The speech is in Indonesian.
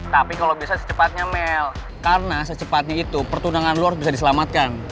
tapi kalo bisa secepatnya mel karena secepatnya itu pertunangan lo harus bisa diselamatkan